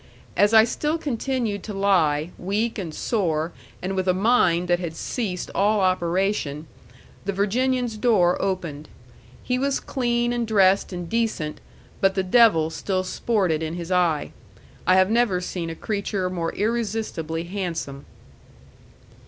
As I still continued to lie, weak and sore, and with a mind that had ceased all operation, the Virginian's door opened. He was clean and dressed and decent, but the devil still sported in his eye. I have never seen a creature more irresistibly handsome.